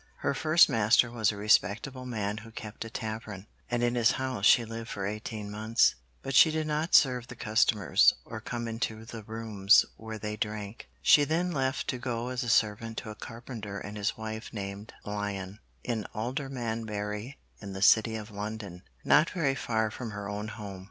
Her first master was a respectable man who kept a tavern, and in his house she lived for eighteen months. But she did not serve the customers, or come into the rooms where they drank. She then left to go as servant to a carpenter and his wife named Lyon, in Aldermanbury in the City of London, not very far from her own home.